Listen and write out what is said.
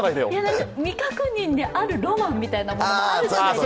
だって、未確認であるロマンみたいなものもあるじゃないですか。